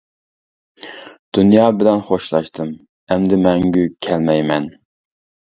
دۇنيا بىلەن خوشلاشتىم، ئەمدى مەڭگۈ كەلمەيمەن!